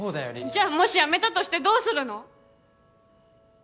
じゃあもしやめたとしてどうするの？